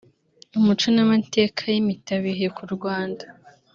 Umuco n’Amateka y’impitabihe ku Rwanda